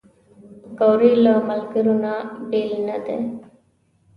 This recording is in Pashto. پکورې له ملګرو نه بېل نه دي